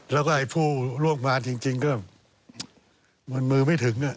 แล้วก็ไอ้ผู้ร่วมงานจริงก็มันมือไม่ถึง